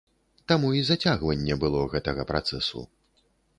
Таму і зацягванне было гэтага працэсу.